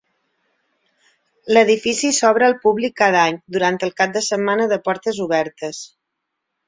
L'edifici s'obre al públic cada any durant el cap de setmana de portes obertes.